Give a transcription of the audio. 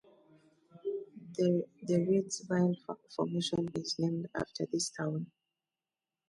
The Reedsville Formation is named after this town.